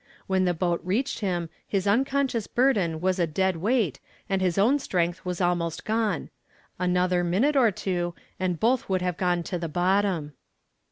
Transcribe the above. When the boat reached him his unconscious burden was a dead weight and his own strength was almost gone. Another minute or two and both would have gone to the bottom.